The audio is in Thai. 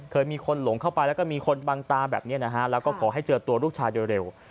เคยมีคนหลงเข้าไปแล้วก็มีคนบังตาแบบนี้นะฮะแล้วก็ขอให้เจอตัวลูกชายโดยเร็ว